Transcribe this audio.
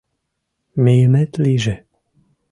— Мийымет лийже.